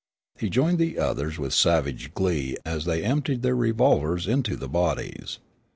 He joined the others with savage glee as they emptied their revolvers into the bodies.